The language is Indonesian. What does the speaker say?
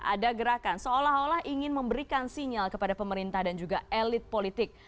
ada gerakan seolah olah ingin memberikan sinyal kepada pemerintah dan juga elit politik